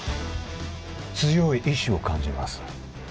強い意志を感じます